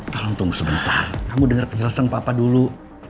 tolong tunggu sebentar kamu dengar penjelasan papa dulu